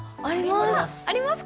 あります。